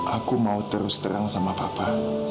aku mau terus terang sama papa